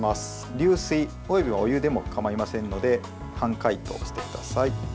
流水およびお湯でもかまいませんので半解凍してください。